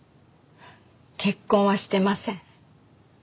結婚はしてません。